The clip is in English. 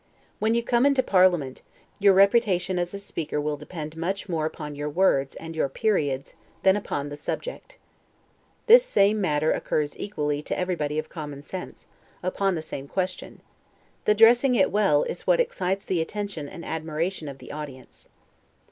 When you come into parliament, your reputation as a speaker will depend much more upon your words, and your periods, than upon the subject. The same matter occurs equally to everybody of common sense, upon the same question; the dressing it well, is what excites the attention and admiration of the audience.